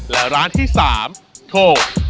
และร้านที่๓โทร